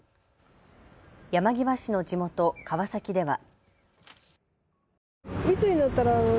山際氏の地元、川崎では。